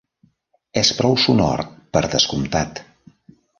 És prou sonor, per descomptat.